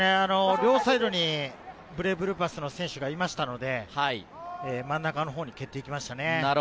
両サイドにブレイブルーパスの選手がいましたので真ん中のほうに蹴っていきましたね。